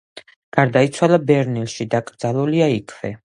გარდაიცვალა ბერლინში; დაკრძალულია იქვე.